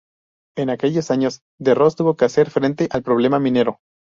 En aquellos años de Ros tuvo que hacer frente al problema minero.